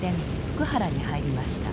福原に入りました。